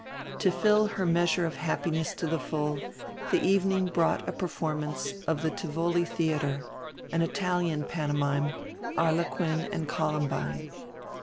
To fill her measure of happiness to the full the evening brought a performance at the Tivoli Theatre, an Italian pantomime, Arlequin and Columbine.